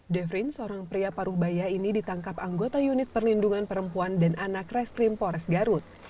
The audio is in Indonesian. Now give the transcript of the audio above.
defrin seorang pria paruh baya ini ditangkap anggota unit perlindungan perempuan dan anak reskrim pores garut